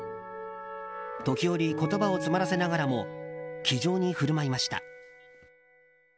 時折、言葉を詰まらせながらも気丈に振る舞いました。